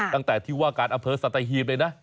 ตั้งแต่ที่ว่าการอำเภอสัตหีบเลยนะ